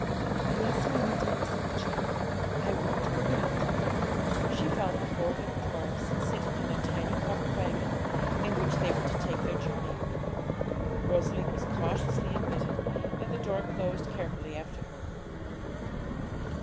'Yes, mammie dear,' said the child; 'I won't forget.' She found the four little dwarfs sitting in a tiny covered waggon, in which they were to take their journey. Rosalie was cautiously admitted, and the door closed carefully after her.